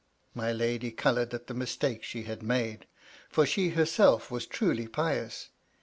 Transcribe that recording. My lady coloured at the mistake she had made ; for she herself was truly pious.